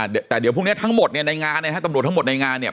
แต่เดี๋ยวพรุ่งนี้ทั้งหมดเนี่ยในงานเนี่ยฮะตำรวจทั้งหมดในงานเนี่ย